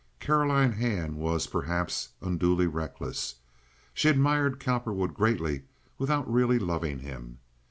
Caroline Hand was, perhaps, unduly reckless. She admired Cowperwood greatly without really loving him.